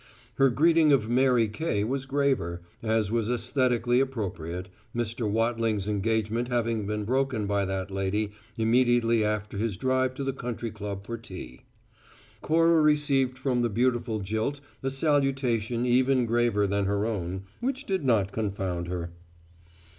Her greeting of Mary Kane was graver, as was aesthetically appropriate, Mr. Wattling's engagement having been broken by that lady, immediately after his drive to the Country Club for tea. Cora received from the beautiful jilt a salutation even graver than her own, which did not confound her.